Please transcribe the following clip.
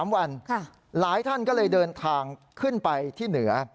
๓วันหลายท่านก็เลยเดินทางขึ้นไปที่เหนือ